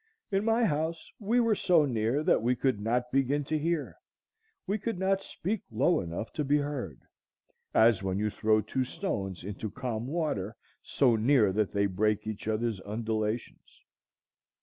In my house we were so near that we could not begin to hear,—we could not speak low enough to be heard; as when you throw two stones into calm water so near that they break each other's undulations.